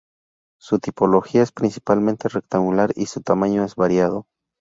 Su tipología es principalmente rectangular y su tamaño es variado.